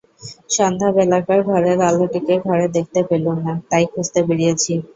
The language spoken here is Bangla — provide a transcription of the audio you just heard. সন্ধ্যাবেলাকার ঘরের আলোটিকে ঘরে দেখতে পেলুম না, তাই খুঁজতে বেরিয়েছি।